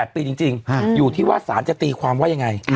๘ปีจริงอยู่ที่ว่าสารจะตีความว่ายังไง